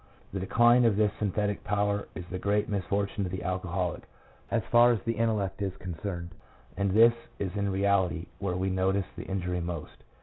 The decline of this synthetic power is the great misfortune of the alco holic as far as the intellect is concerned, and this is in reality where we notice the injury most.